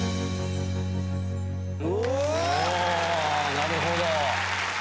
なるほど。